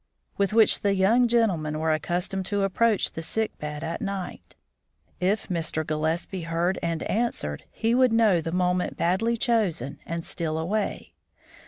_ with which the young gentlemen were accustomed to approach the sick bed at night. If Mr. Gillespie heard and answered, he would know the moment badly chosen and steal away.